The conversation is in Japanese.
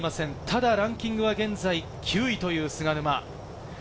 ただランキングは現在９位という菅沼。